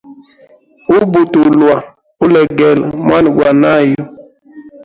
Ubutulwa ulegele mwana gwa nayu.